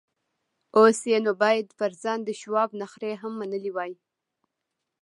اوس یې نو باید پر ځان د شواب نخرې هم منلې وای